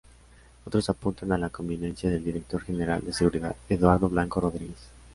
Otros apuntan a la connivencia del director general de Seguridad, Eduardo Blanco Rodríguez.